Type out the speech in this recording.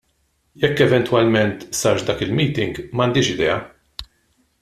Jekk eventwalment sarx dak il-meeting m'għandix idea.